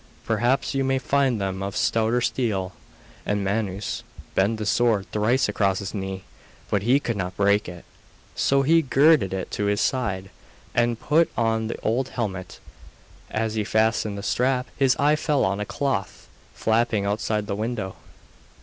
Perhaps you may find them of stouter steel.' And Manus bent the sword thrice across his knee but he could not break it. So he girded it to his side, and put on the old helmet. As he fastened the strap his eye fell on a cloth flapping outside the window.